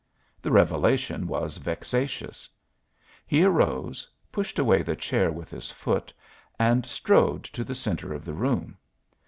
The revelation was vexatious; he arose, pushed away the chair with his foot and strode to the centre of the room.